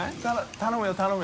頼む頼む。